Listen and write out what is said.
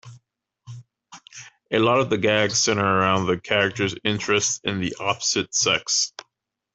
A lot of the gags center around the character's interest in the opposite sex.